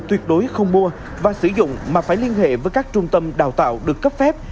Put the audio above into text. tuyệt đối không mua và sử dụng mà phải liên hệ với các trung tâm đào tạo được cấp phép